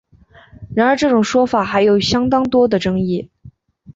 然而这种说法还有相当多的争议。